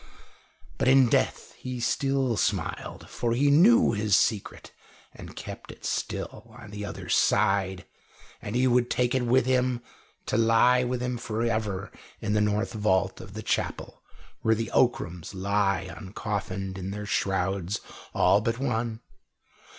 But in death he still smiled, for he knew his secret and kept it still, on the other side, and he would take it with him, to lie with him for ever in the north vault of the chapel where the Ockrams lie uncoffined in their shrouds all but one.